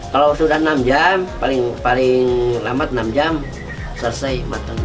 kalau sudah enam jam paling lama enam jam selesai